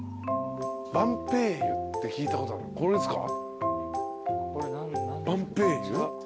晩白柚って聞いたことあるこれですか晩白柚？